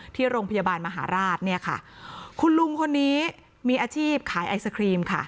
ที่โรงพยาบาลมหาราชเนี่ยค่ะคุณลุงคนนี้มีอาชีพขายไอศครีมค่ะ